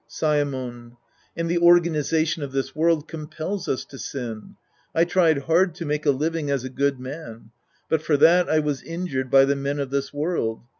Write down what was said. Saemon. And the organization of this world com pels us to sin. I tried hard to make a living as a good man. But for that I was injured by the men of this world.